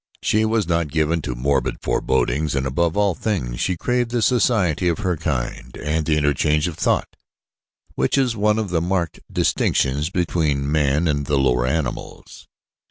She was not given to morbid forebodings, and above all things she craved the society of her kind and that interchange of thought which is one of the marked distinctions between man and the lower animals.